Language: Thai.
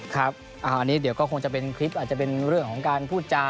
ครับอันนี้เดี๋ยวก็คงจะเป็นคลิปอาจจะเป็นเรื่องของการพูดจา